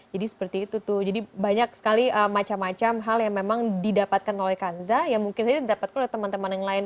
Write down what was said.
jadi seperti itu tuh jadi banyak sekali macam macam hal yang memang didapatkan oleh kanza yang mungkin saja didapatkan oleh teman teman yang lain